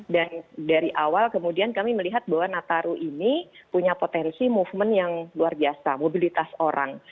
dan dari awal kemudian kami melihat bahwa nataru ini punya potensi movement yang luar biasa mobilitas orang